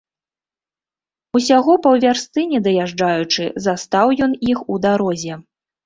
Усяго паўвярсты не даязджаючы, застаў ён іх у дарозе.